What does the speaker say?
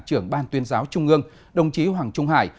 trưởng ban tuyên giáo trung ương đồng chí hoàng trung hải